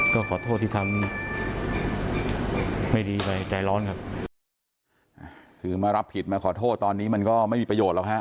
ก็ขอโทษที่ทำไม่ดีไปใจร้อนครับคือมารับผิดมาขอโทษตอนนี้มันก็ไม่มีประโยชน์หรอกฮะ